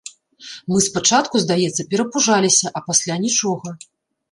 Мы спачатку, здаецца, перапужаліся, а пасля нічога.